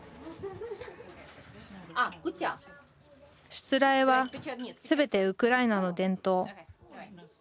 しつらえは全てウクライナの伝統。